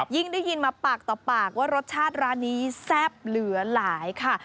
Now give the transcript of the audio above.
ได้ยินมาปากต่อปากว่ารสชาติร้านนี้แซ่บเหลือหลายค่ะ